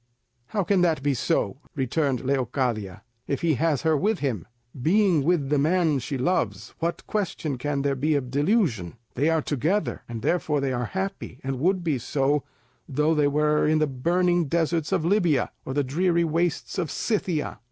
"How can that be so," returned Leocadia, "if he has her with him? Being with the man she loves, what question can there be of delusion? They are together, and therefore they are happy, and would be so, though they were in the burning deserts of Lybia, or the dreary wastes of Scythia.